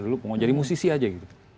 dulu mau jadi musisi aja gitu